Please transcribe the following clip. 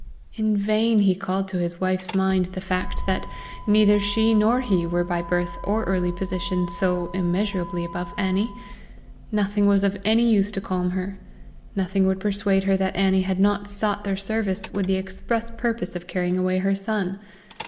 In vain he called to his wife's mind the fact that neither she nor he were by birth or early position so immeasurably above Annie. Nothing was of any use to calm her; nothing would persuade her that Annie had not sought their service with the express purpose of carrying away her son.